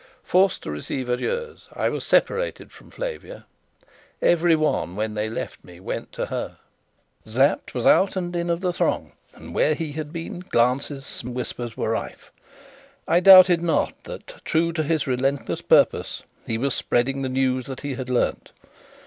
Forced to receive adieus, I was separated from Flavia: everyone, when they left me, went to her. Sapt was out and in of the throng, and where he had been, glances, smiles, and whispers were rife. I doubted not that, true to his relentless purpose, he was spreading the news that he had learnt.